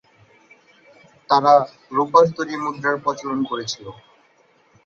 তারা রূপার তৈরি মুদ্রার প্রচলন করেছিল।